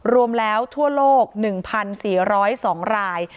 รวมแล้วทั่วโลก๑๔๐๒ราย